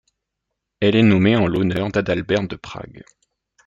Elle est nommée en l'honneur d'Adalbert de Prague.